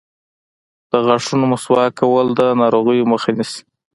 د غاښونو مسواک کول د ناروغیو مخه نیسي.